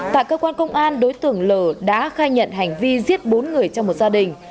tại cơ quan công an đối tượng l đã khai nhận hành vi giết bốn người trong một gia đình